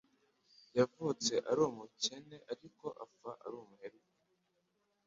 Yavutse ari umukene, ariko apfa umuherwe.